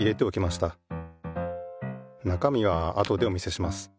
なかみはあとでお見せします。